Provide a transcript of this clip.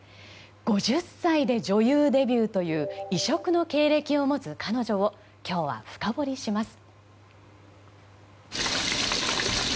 ５０歳で女優デビューという異色の経歴を持つ彼女を今日は深掘りします。